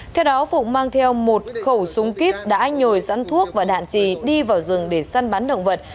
theo đó phụng mang theo một khẩu súng kíp đã nhồi sẵn thuốc và đạn trì đi vào rừng để săn bắn động vật